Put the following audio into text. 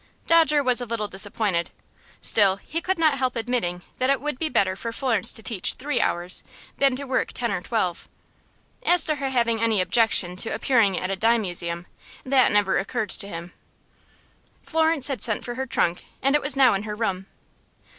Dodger was a little disappointed. Still, he could not help admitting that it would be better for Florence to teach three hours, than to work ten or twelve. As to her having any objection to appearing at a dime museum, that never occurred to him. Florence had sent for her trunk, and it was now in her room.